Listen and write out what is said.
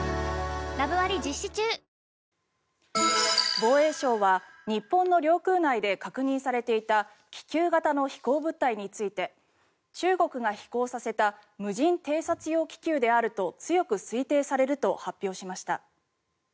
防衛省は日本の領空内で確認されていた気球型の飛行物体について中国が飛行させた無人偵察用気球であると強く推定されると発表しました。